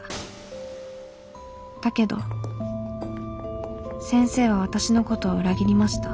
だけど先生は私のことを裏切りました」。